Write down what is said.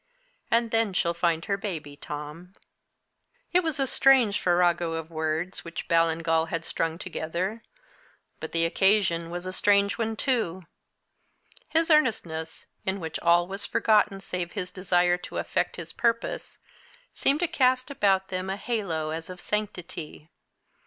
And then she'll find her baby, Tom." It was a strange farrago of words which Ballingall had strung together, but the occasion was a strange one too. His earnestness, in which all was forgotten save his desire to effect his purpose, seemed to cast about them a halo as of sanctity.